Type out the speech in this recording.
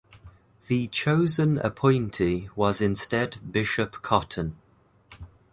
The chosen appointee was instead Bishop Cotton.